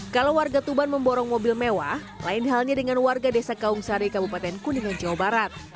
kalau warga tuban memborong mobil mewah lain halnya dengan warga desa kaungsari kabupaten kuningan jawa barat